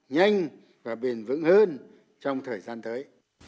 nhanh và bền vững hơn trong thời gian tới